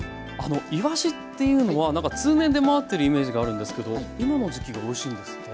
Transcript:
いわしっていうのは通年出回ってるイメージがあるんですけど今の時期がおいしいんですね。